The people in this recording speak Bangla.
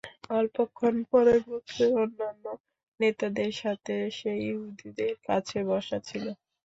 অল্পক্ষণ পর গোত্রের অন্যান্য নেতাদের সাথে সে ইহুদীদের কাছে বসা ছিল।